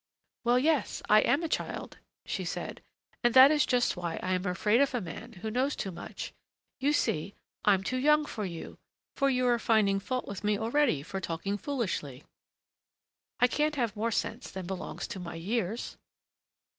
"Well, yes, I am a child," she said, "and that is just why I am afraid of a man who knows too much. You see, I'm too young for you, for you are finding fault with me already for talking foolishly! I can't have more sense than belongs to my years."